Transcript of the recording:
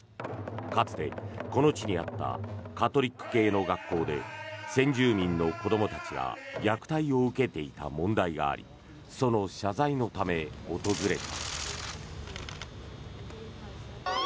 かつて、この地にあったカトリック系の学校で先住民の子どもたちが虐待を受けていた問題がありその謝罪のため訪れた。